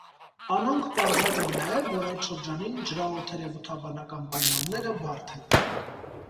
Անոնք պարզած են նաեւ, որ այդ շրջանին ջրաօդերեւութաբանական պայմանները բարդ են։